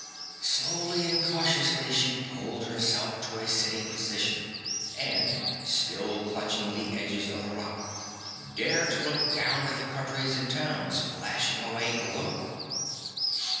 Slowly and cautiously she pulled herself to a sitting position and still clutching the edges of the rock, dared to look down at the countries and towns flashing away below.